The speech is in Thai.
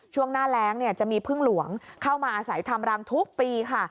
ช่วงหน้าแรงจะมีพึ่งหลวงเข้ามาอาศัยทำรังทุกปีค่ะ